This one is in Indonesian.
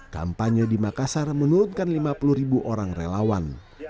kampanye di makassar menurunkan lima puluh ribu orang relawan